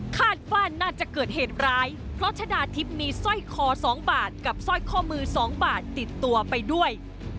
คาดว่าน่าจะเกิดเหตุร้ายเพราะชะดาทิพย์มีสร้อยคอ๒บาทกับสร้อยข้อมือ๒บาทติดตัวไปด้วย